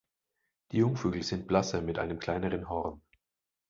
Die Jungvögel sind blasser mit einem kleineren Horn.